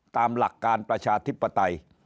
ตามหลักการประชาธิปไตย